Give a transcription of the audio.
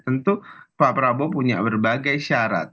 tentu pak prabowo punya berbagai syarat